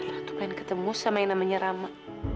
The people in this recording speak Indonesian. aku pengen ketemu sama yang namanya rama